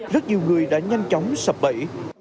rất nhiều người đã nhanh chóng sập bẫy